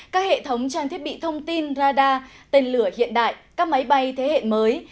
các hệ thống trang thiết bị thông tin radar tên lửa hiện đại các máy bay thế hệ mới